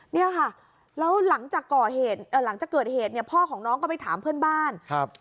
นี่ค่ะแล้วหลังจากเกิดเหตุพ่อของน้องก็ไปถามเพื่อนบ้าน